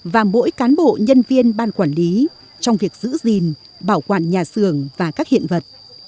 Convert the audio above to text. và mỗi cán bộ nhân viên ban quản lý trong việc giữ gìn bảo quản nhà xưởng và các hiện vật